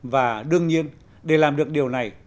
và đương nhiên để làm được điều này